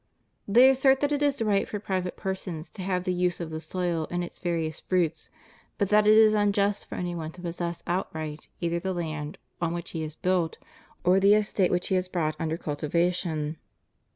They assert that it is right for private persons to have the use of the soil and its various fruits, but that it is unjust for any one to possess outright either the land on which he has built, or the estate which he has brought under cultivation.